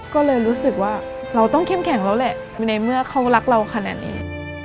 ก็เลยรู้สึกว่าเราต้องเข้มแข็งแล้วแหละในเมื่อเขารักเราขนาดนี้